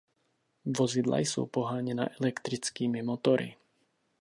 Vozidla jsou poháněna elektrickými motory.